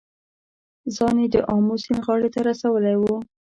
ځان یې د آمو سیند غاړې ته رسولی و.